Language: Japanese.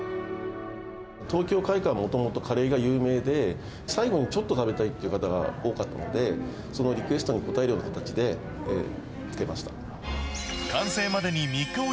東京會舘は、もともとカレーが有名で、最後にちょっと食べたいっていう方が多かったので、そのリクエストに応えるような形でつけました。